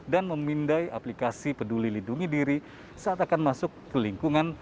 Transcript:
memindai aplikasi peduli lindungi diri saat akan masuk ke lingkungan